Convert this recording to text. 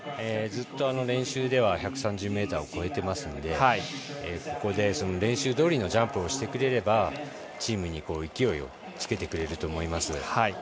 ずっと練習では１３０ｍを超えてますのでここで練習どおりのジャンプをしてくれればチームに勢いをつけてくれると思います。